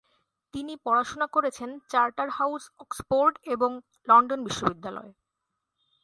তিনি পড়াশোনা করেছেন চার্টার হাউস অক্সফোর্ড এবং লন্ডন বিশ্ববিদ্যালয়ে।